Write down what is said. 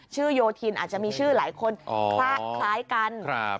โยธินอาจจะมีชื่อหลายคนคล้ายกัน